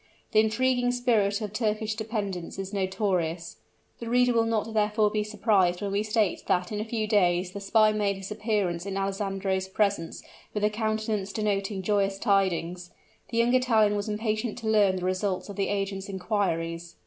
The intriguing spirit of Turkish dependents is notorious: the reader will not therefore be surprised when we state that in a few days the spy made his appearance in Alessandro's presence with a countenance denoting joyous tidings. The young Italian was impatient to learn the results of the agent's inquiries.